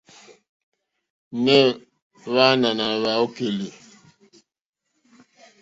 Nɛh Hwaana na hweyokoeli?